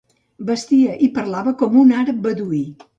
Vestia i parlava com un àrab beduí.